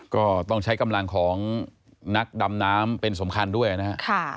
ก็ต้องใช้กำลังของนักดำน้ำเป็นสำคัญด้วยนะครับ